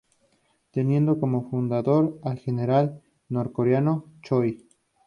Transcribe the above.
Teniendo como fundador al General nor-coreano Choi.